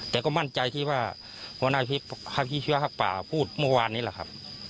แต่ก็มั่นใจที่ว่าพระพิเศษภาคป่าพูดเมื่อวานนี้แหละครับ